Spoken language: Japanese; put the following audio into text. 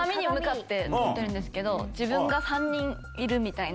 自分が３人いるみたいな。